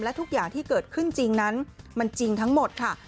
และทุกอย่างที่เกิดขึ้นจริงนั้นมันจริงทั้งหมดค่ะ